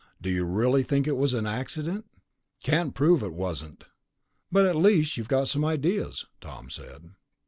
"Do you really think it was an accident?" "Can't prove it wasn't." "But at least you've got some ideas," Tom said.